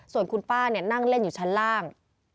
ส่วนคุณป้านั่งเล่นอยู่ชั้นล่าง